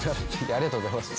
ありがとうございます。